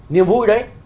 niềm vui đấy